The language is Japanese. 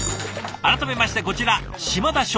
改めましてこちら嶋田翔さん。